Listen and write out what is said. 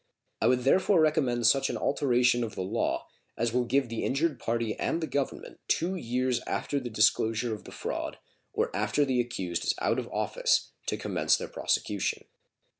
I would therefore recommend such an alteration of the law as will give the injured party and the Government two years after the disclosure of the fraud or after the accused is out of office to commence their prosecution.